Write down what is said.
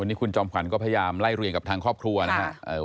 วันนี้คุณจอมขวัญก็พยายามไล่เรียงกับทางครอบครัวนะครับ